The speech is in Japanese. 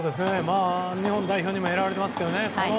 日本代表にも選ばれてますけど。